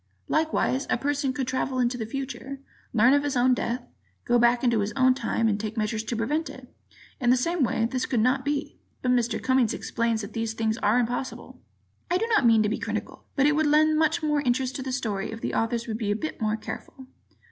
Likewise, a person could travel into the future, learn of his own death, go back into his own time and take measures to prevent it. In the same way, this could not be. [But Mr. Cummings explains that these things are impossible. Ed.] I do not mean to be critical, but it would lend much more interest to the story if the authors would be a bit more careful.